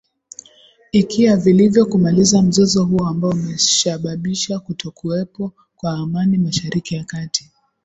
ikia vilivyo kumaliza mzozo huo ambao umeshababisha kutokuwepo kwa amani mashariki ya kati